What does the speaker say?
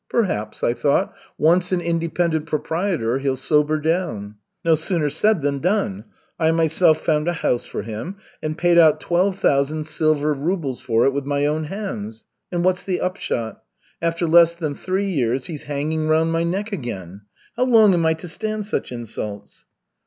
Perhaps, I thought, once an independent proprietor he'll sober down. No sooner said than done. I myself found a house for him and paid out twelve thousand silver rubles for it with my own hands. And what's the upshot? After less than three years he's hanging round my neck again. How long am I to stand such insults?"